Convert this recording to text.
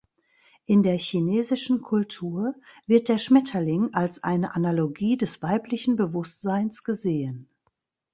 In der chinesischen Kultur wird der Schmetterling als eine Analogie des weiblichen Bewusstseins gesehen.